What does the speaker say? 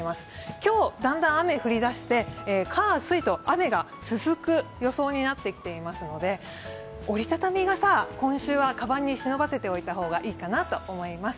今日だんだん雨が降りだして火水と雨が続く予想となってきますので折り畳み傘、今週はかばんに忍ばせておいたほうがいいと思います。